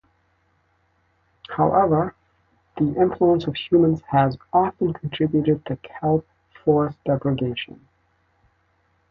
However, the influence of humans has often contributed to kelp forest degradation.